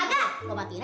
ntar gua batiin